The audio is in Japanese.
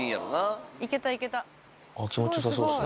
ああ、気持ちよさそうですね。